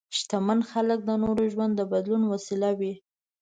شتمن خلک د نورو ژوند د بدلون وسیله وي.